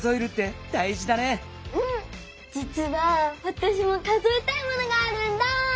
じつはわたしも数えたいものがあるんだ！